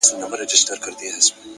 مهرباني د انسان تر ټولو نرم قوت دی،